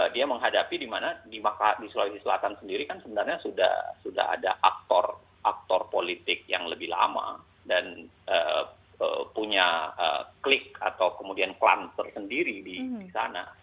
dia menghadapi dimana di sulawesi selatan sendiri kan sebenarnya sudah ada aktor aktor politik yang lebih lama dan punya klik atau kemudian klan tersendiri di sana